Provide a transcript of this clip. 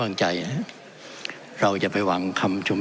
ท่านประธานที่ขอรับครับ